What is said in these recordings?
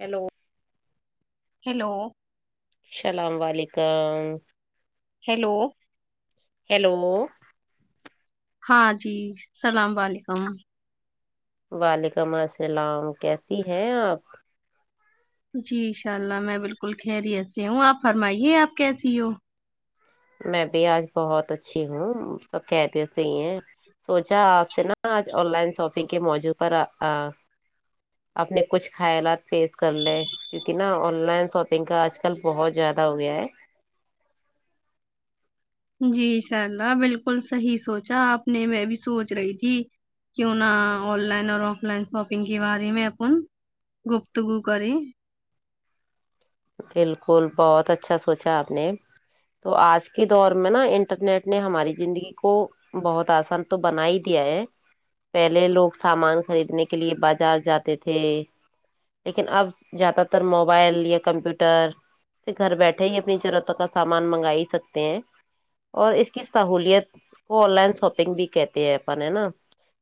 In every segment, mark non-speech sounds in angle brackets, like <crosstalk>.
Hello hello السلام علیکم hello hello ہاں جی سلام وعلیکم وعلیکم السلام کیسی ہیں آپ جی شاء اللہ میں بالکل خیریت سے ہوں آپ فرمائیے آپ کیسی ہو میں بھی آج بہت اچھی ہوں سب کہتے ہے صحیح ہیں سوچا آپ سے نہ آج آن لائن شاپنگ کے موجوع پر اپنے کچھ خیالات پیس کر لیں کیونکہ نہ آن لائن شاپنگ کا آج کل بہت زیادہ ہو گیا ہے جی انشاء اللہ بالکل صحیح سوچا آپ نے میں بھی سوچ رہی تھی کیوں نہ آن لائن اور آف لائن شاپنگ کے بارے میں اپن گفتگو کرے بالکل بہت اچھا سوچا آپ نے تو آج کے دور میں نا انٹرنیٹ نے ہماری جندگی کو بہت آسان تو بنا ہی دیا ہے پہلے لوگ سامان خریدنے کے لیے بازار جاتے تھے لیکن اب زیادہ تر موبائل یا کمپیوٹر سے گھر بیٹھے ہی اپنی ضرورتوں کا سامان منگا ہی سکتے ہیں اور اس کی سہولیت کو آن لائن شاپنگ بھی کہتے ہیں اپن ہے نا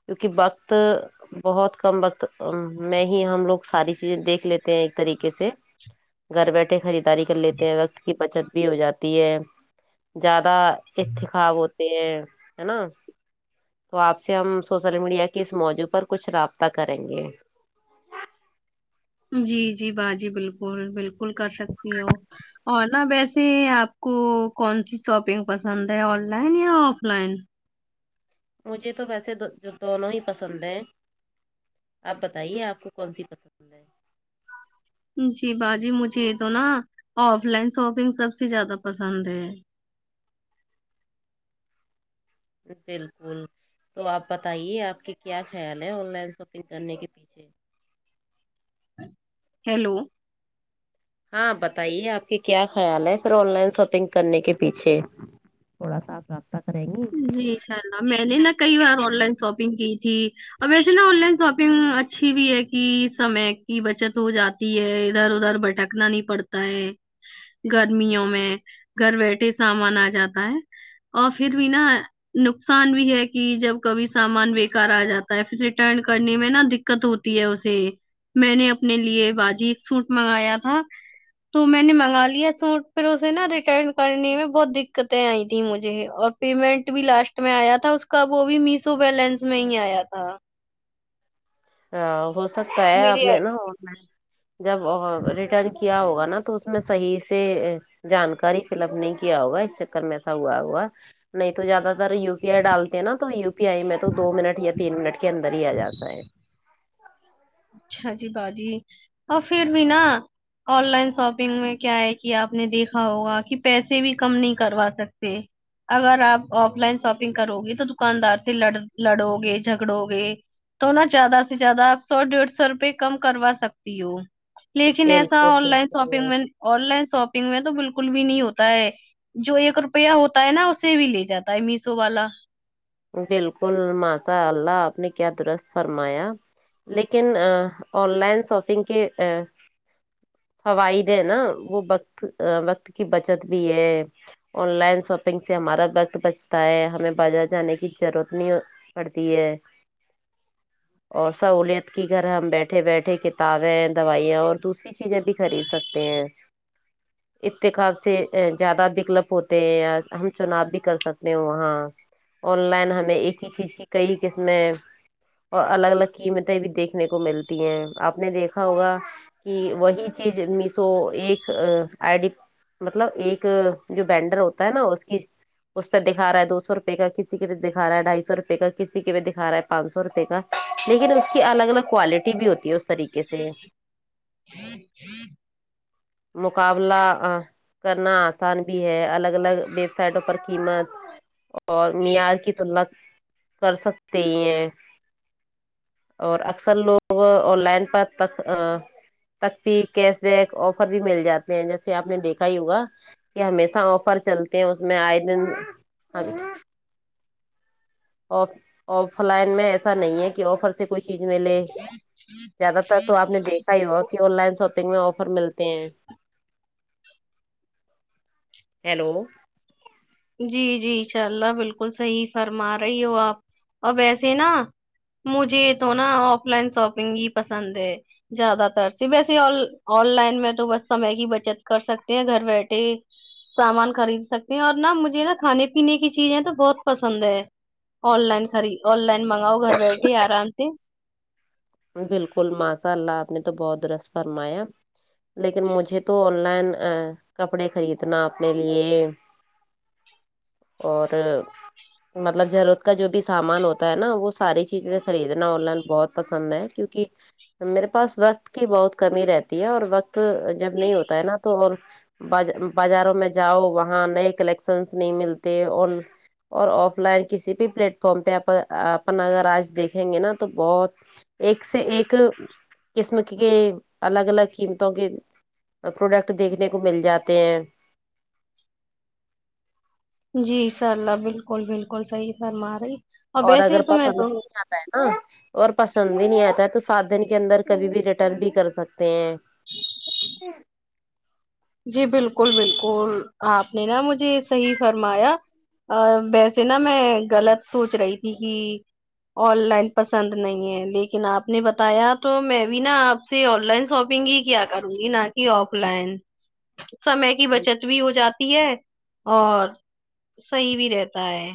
کیونکہ وقت بہت کم وقت میں ہی ہم لوگ ساری چیزیں دیکھ لیتے ہیں ایک طریقے سے گھر بیٹھے خریداری کر لیتے ہیں وقت کی بچت بھی ہو جاتی ہے زیادہ اتخاب ہوتے ہیں ہے نا تو آپ سے ہم سوشل میڈیا کے اس موضوع پر کچھ رابطہ کریں گے جی جی با جی بالکل بالکل کر سکتی ہو اور نا ویسے آپ کو کون سی شاپنگ پسند ہے آن لائن یا آف لائن مجھے تو ویسے دونوں ہی پسند ہیں آپ بتائیے آپ کو کون سی پسند ہے جی باجی مجھے یہ تو نا آف لائن شاپنگ سب سے جیادہ پسند ہے بالکل تو آپ بتائیے آپ کے کیا خیال ہے آن لائن شاپنگ کرنے کے پیچھے ہیلو ہاں بتائیے آپ کے کیا خیال ہے پھر آن لائن شاپنگ کرنے کے پیچھے تھوڑا صاف صافتا کریں گی جی شاء اللہ میں نے نا کئی بار آن لائن شاپنگ کی تھی اب ویسے نا آن لائن شاپنگ اچھی بھی ہے کہ سمے کی بچت ہو جات تی ہے ادھر ادھر بھٹکنا نہیں پڑتا ہے گرمیوں میں گھر بیٹھے سامان آ جاتا ہے اور پھر بھی نا نقصان بھی ہے کہ جب کبھی سامان بیکار آ جاتا ہے پھر ریٹرن کرنے میں نا د دقت ہوتی ہے اسے میں نے اپنے لیے باجی سوٹ منگایا تھا تو میں نے منگا لیا سوٹ پھر اسے نا ریٹرن کرنے میں بہت دقتیں آئی تھی مجھے اور پیمنٹ بھی لاسٹ میں آیا تھا اس کا وہ بھی میسو بیلینس میں ہی آیا تھا آ ہو سکتا ہے آپ نے میرے نا آن لائن جب ریٹرن کیا ہوگا نا تو اس میں صحیح سے جانکاری فل اپ نہیں کیا ہوگا اس چکر میں ایسا ہوا ہوا نہیں تو زیادہ تر یو پی آئی ڈالتے ہیں نا تو یو پی آئی میں تو دو منٹ یا تین منٹ کے اندر ہی آ جاتا ہے اچھا جی باجی اور پھر بھی نا آن لائن شاپنگ میں کیا ہے کہ آپ نے دیکھا ہوگا کہ پیسے بھی کم نہیں کروا سکتے اگر آپ آف لائن شاپنگ کرو گے تو دکاندار سے ل لڑو گے جھگڑو گے تو نا زیادہ سے زیادہ آپ سو ڈیڑھ سو روپئے کم کروا سکتی ہو لیکن ایسا بالکل آن لائن بالکل ساپنگ میں آن لائن ساپنگ میں تو بالکل بھی نہیں ہوتا ہے جو ایک روپیہ ہوتا ہے نا اسے بھی لے جاتا ہے میسو والا بالکل ماشا اللہ آپ نے کیا درست فرمایا لیکن آن لائن شاپنگ کی آ فوائد ہیں نا وہ وقت وقت کی بچت بھی ہے آن لائن شاپنگ سے ہمارا وقت بچتا ہے ہمیں بازار جانے کی جرورت نہیں پڑتی ہے اور سہولیت کی گھر ہم بیٹھے بیٹھے کتابیں دوائیاں اور دوسری یہ چیزیں بھی خرید سکتے ہیں اتخاب سے زیادہ وکلپ ہوتے ہیں ہم چناؤ بھی کر سکتے ہیں وہاں آن لائن ہمیں ایک ہی چیز کی کئی قسمیں اور الگ الگ قیمتیں بھی دیکھنے کو ملتی ہیں آپ نے دیکھا ہوگا کہ وہی چیز میشو ایک آئی ڈی مطلب ایک جو بینڈر ہوتا ہے نا اس کی اس پہ دکھا رہا ہے دو سو روپے کا کسی کے بھی دکھا رہا ہے ڈھائی سو روپئے کا کسی کے بھی دکھا رہا ہے پانچ سو روپئے کا لیکن اس کی الگ الگ کوالٹی ٹی بھی ہوتی ہے اس طریقے سے مقابلہ آ کرنا آسان بھی ہے الگ الگ ویب سائٹوں پر قیمت اور معیار کی تلنا کر سکتےہی ہیں اور اکثر لوگ آن لائن پر تک ا تک بھی کیش بیک آفر بھی مل جاتے ہیں جیسے آپ نے دیکھا ہی ہوگا یہ ہمیشہ آفر چلتے ہیں اس میں آئے دن آف۔ آف لائن میں ایسا نہیں ہے کہ آفرس سے کوئی چیز ملے زیادہ تر تو آپ نے دیکھا ہی بہت کہ آن لائن شاپنگ میں آفر ملتے ہیں ہیلو جی جی انشاء اللہ بالکل صحیح فرما رہی ہو آپ اور ویسے نا مجھے تو نا آف لائن شاپنگ ہی پسند ہے زیادہ تر سے ویسے آن آن لائن میں تو بس سمے کی بچت کر سکتے ہیں گھر بیٹھے سامان خرید سکتے ہیں اور نا مجھے نا کھانے پینے کی چیزیں تو بہت پسند ہے آن لائن خری آن لائن منگاؤ گھر بیٹے آرام سے بالکل ماساء اللہ آپ نے تو بہت درست فرمایا لیکن مجھے تو آن لائن کپڑے خریدنا اپنے لیے اور مطلب ضرورت کا جو بھی سامان ہوتا ہے نا وہ ساری چیزیں خریدنا آن لائن بہت پسند ہے کیونکہ میرے پاس وقت کی بہت کمی رہتی ہے اور وقت تو جب نہیں ہوتا ہے نا تو اور باز بازاروں میں جاؤ وہاں نئے کلیکشنس نہیں ملتے اور اور آف لائن کسی بھی پلیٹ فارم پہ اپ اپن اگر آج دیکھیں گے نا تو بہت ایک سے ایک قسم کے الگ الگ قیمتوں کے پروڈکٹ دیکھنے کو مل جاتے ہیں جیشاء اللہ بالکل بالکل صحیح فرما رہی اور ویسے اگر ہی تو میں پسند تو نہیں ہے نا اور پسند بھی نہیں آتا ہے تو سات دن کے اندر کبھی بھی ریٹرن بھی کر سکتے ہیں جی بالکل بالکل آپ نے نا مجھے صحیح فرمایا ا ویسے نا میں غلط سوچ رہی تھی کہ آن لائن پسند نہیں ہے لیکن آپ نے بتایا تو میں بھی نا آپ سے آن لائن شاپنگ ہی کیا کروں گی نہ کہ آف لائن سمے کی بچت بھی ہو جاتی ہے اور صحیح بھی رہتا ہے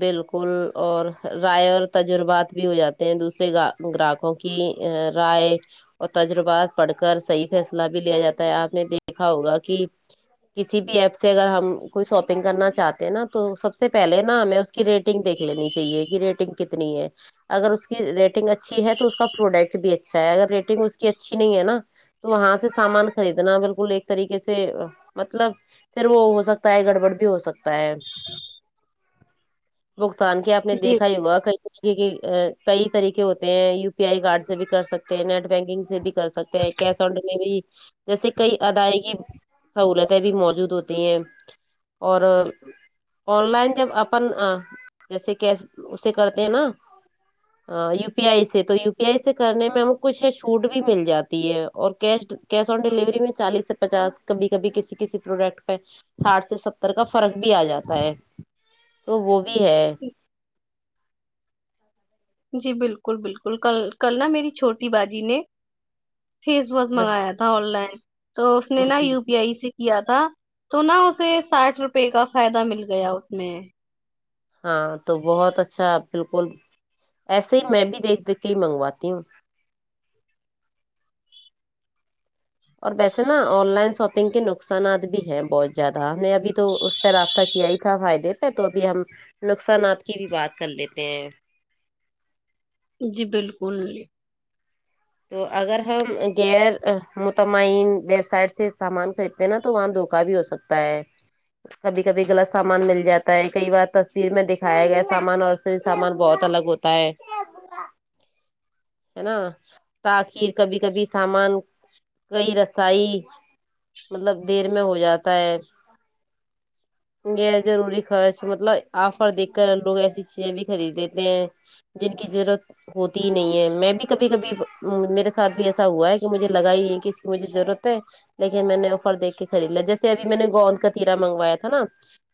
بالکل اور رائے اور تجربات بھی ہو جاتے ہیں دوسرے کا گراہکوں کی ا رائے اور تجربات پڑھ کر صحیح فیصلہ بھی لیا جاتا ہے آپ نے دیکھا ہوگا کہ کسی بھی ایپ سے اگر ہم کوئی شاپنگ کرنا چاہتے ہیں نا تو سب سے پہلے نہ ہمیں اس کی ریٹنگ دیکھ لینی چاہیے کہ ریٹنگ کتنی ہے اگر اس کی ریٹنگ اچھی ہے تو اس کا پروڈکٹ بھی اچھا ہے اگر ریٹنگ اس کی اچھی نہیں ہے نا تو وہاں سے سامان خریدنا بالکل ایک طریقے سے مطلب پھر وہ ہو سکتا ہے گڑبڑ بھی ہو سکتا ہے بھگتان کے آپ نے جی دیکھا ہی ہو کہیں کے کئی طریقے ہوتے ہیں یو پی آئی کارڈ سے بھی کر سکتے ہیں نیٹ بینکنگ سے بھی کر سکتے ہیں کیش آن ڈیلیوری جیسے کئی ادائیگی سہولتیں بھی موجود ہوتی ہیں اور آن لائن جب اپن جیسے کہ اسے کرتے ہیں نا یو پی آئی سے تو یو پی آئی سے کرنے میں ہم کچھ ہے چھوٹ بھی مل جاتی ہے اور کیش کیش آن ڈیلیوری میں چالیس سے پچاس کبھی کبھی کسی کسی پروڈکٹ پہ ساٹھ سے ستر کا فرق بھی آ جاتا ہے تو وہ بھی ہے جی بالکل بالکل کل کل نا میری چھوٹی باجی نے فیس واس ہاں منگایا تھا تھا آن لائن تو اس نے نا جی یو پی آئی سے کیا تھا تو نا اسے ساٹھ روپے کا فائدہ مل گیا اس میں ہاں تو بہت اچھا بالکل ایسے ہی میں بھی دیکھ دیکھ کے ہی منگواتی ہوں اور ویسے نا آن لائن شاپنگ کے نقصانات بھی ہیں بہت زیادہ ہم نے ابھی تواس پھر رابطہ کیا ہی تھا فائدے پہ تو ابھی ہم نقصانات کی بھی بات کر لیتے ہیں جی بالکل تو اگر ہم غیر متمئن ویب سائٹ سے سامان خریدتے ہیں نا تو وہاں دھوکہ بھی ہو سکتا تا ہے کبھی کبھی غلط سامان مل جاتا ہے کئی بار تصویر میں دکھایا گیا سامان اور صحیح سامان بہت الگ ہو تا ہے ہے نا تاخیر کبھی کبھی سامان کئی رسائی مطلب بھیڑ میں ہو جاتا ہے یہ ضروری خرچ مطلب آفر دیکھ کر لوگ ایسی چیزیں بھی خرید لیتے ہیں جن کی ضرورت ہوتی ہی نہیں ہے میں بھی کبھی کبھی میرے ساتھ بھی ایسا ہوا ہے کہ مجھے لگا ہی نہیں ہے کہ اس کی مجھے ضرورت ہے لیکن میں نے آفر دیکھ کے خرید لیا جیسے ابھی میں نے گوند کاتیرا منگویا تھا نا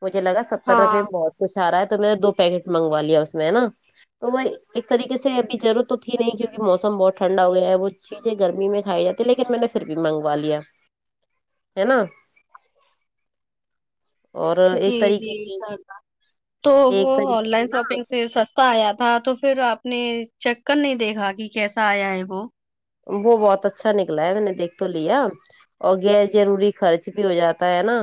مجھے لگا س ستر ہاں روپئے بہت کچھ آ رہا ہے تو میں نے دو پیکٹ منگوا لیا اس میں ہے نا تو وہ ایک طریقے سے ابھی ضرور تو ٹھیک ہے کیونکہ موسم بہت ٹھنڈا ہویا ہے وہ چیزیں گرمی میں کھائی جاتی ہے لیکن میں نے پھر بھی منگوا لیا ہے نا اور جی ایک جی طریقے سے انشاء اللہ تو وہ ایک آن طریقے لائن سے شاپنگ پھر سستا آیا تھا تو پھر آپ نے چیک کر نہیں دیکھا کہ کیسا آیا ہے وہ وہ بہت اچھا نکلا ہے میں نے دیکھ تو لیا اور غیر ضروری خرچ بھی ہو جاتا ہے نا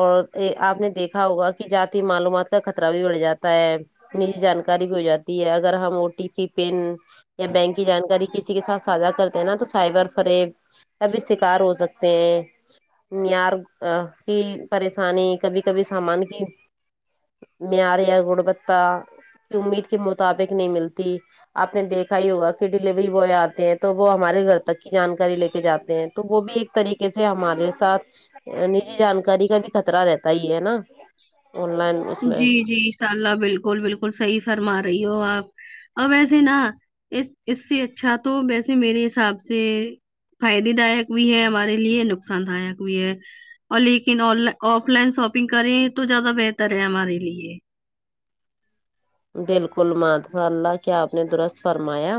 اور آپ نے دیکھا ہوگا کہ جاتی معلومات کا خطرہ بھی بڑھ جاتا ہے نجی جانکاری بھی ہو جاتی ہے اگر ہم او ٹی پی پین یا بینک کی جانکاری کسی کے ساتھ فضہ کرتے ہیں نا تو سائبر فریب کا بھی شکار ہو سکتے ہیں نیار کی پریشانی کبھی کبھی سامان کی میاریا گڑ بتہ امید کے مطابق نہیں ملتی آپ نے دیکھا ہی ہوگا کہ ڈیلیوری والے آتے ہیں تو وہ ہمارے گھر تک کی جانکاری لے کے جاتے ہیں تو وہ بھی ایک طریقے سے ہمارے ساتھ نجی جانکاری کا بھی خطرہ رہتا ہی ہے نا آن لائن اس میں جی جی ان شاء اللہ بالکل بالکل صحیح فرما رہی ہو آپ اور ویسے نا اس اس سے اچھا تو ویسے میرے حساب سے فائدے دایک بھی ہے ہمارے لیے نقصان دایک بھی ہے اور لیکن آن ل آف لائن شاپنگ کریں تو زیادہ بہتر ہے ہمارے لیے بالکل ماساء اللہ کیا آپ نے درست فرمایا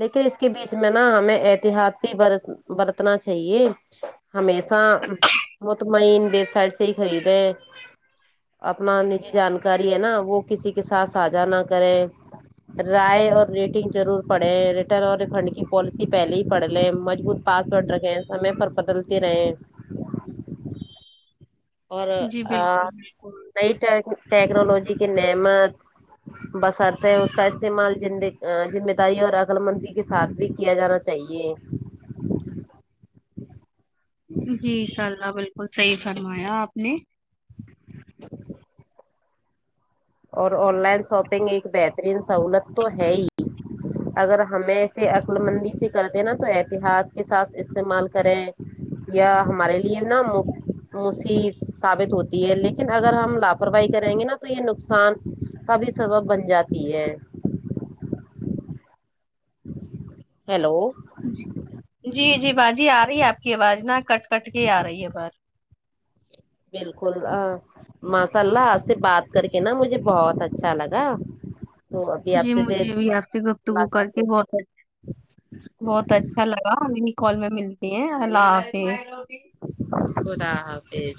لیکن اس کے بیچ میں نا ہمیں احتیاط بھی برت برتنا چاہیے ہمیشہ مطمئن ویب سائٹ سے ہی خریدے اپنا نجی جانکاری ہے نا وہ کسی کے ساتھ ساجھا نہ کریں رائے اور ریٹنگ ضرور پڑے ریٹرن اور ریفنڈ کی پالیسی پہلے ہی پڑھ لے مجبوط پاسورڈ رکھے ہیں سمے پر بدلتے رہے اور جی آ بالکل بالکل نئی ٹیک ٹیکنالوجی کی نعمت بشرط ہے اس کا استعمال ذمے ذمہ داری اور عقلمندی کے ساتھ بھی کیا جانا چ صحیح ہے جی انشاء اللہ بالکل صحیح فرمایا آپ نے <inaudible> اور آن لائن شاپنگ ایک بہترین سہولت تو ہے ہی اگر ہمیں اسے عقلمندی سے کرتے ہیں نا تو احتیاط کے ساتھ استعمال کریں یا ہمارے لیے نا موف مسیب ثابت ہوتی ہے لیکن اگر ہم لاپرواہی کریں گے نا تو یہ ن نقصان کا بھی سبب بن جاتی ہے ہیلو جی جی جی باجی آ رہی ہے آپ کی آواز نہ کٹ کٹ کے آ رہی ہے بار بالکل اآ ما سا اللہ آس سے بات کر کے نا مجھے بہت اچھا لگا تو ابھی آپ جی سے پھر مجھے بھی آپ سے گفتگو کر ملاقات کے ہوگی۔ بہت بہت اچھا لگا انی کال میں ملتی ہیں اللہ حافظ خدا حافظ